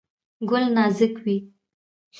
ګل نازک وي.